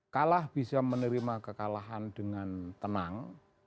kalah bisa menerima kekalahan dengan tenang